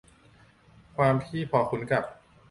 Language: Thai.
ความที่พอคุ้นกับ